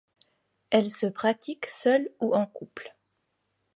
Elle se pratique seul ou en couple.